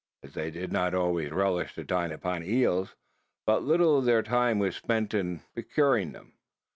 As they did not always relish to dine upon eels, but little of their time was spent in procuring them.